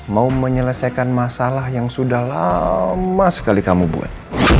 mau menyelesaikan masalah yang sudah lama sekali kamu buat